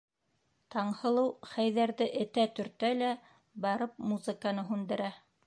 Таңһылыу Хәйҙәрҙе этә-төртә лә барып музыканы һүндерә.